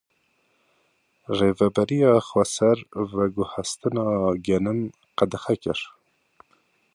Rêveberiya Xweser veguhestina genim qedexe kir.